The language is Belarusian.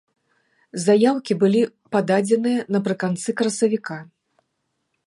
Заяўкі былі пададзеныя напрыканцы красавіка.